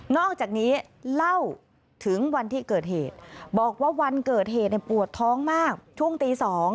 อกจากนี้เล่าถึงวันที่เกิดเหตุบอกว่าวันเกิดเหตุปวดท้องมากช่วงตี๒